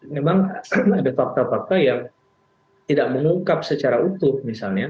memang ada fakta fakta yang tidak mengungkap secara utuh misalnya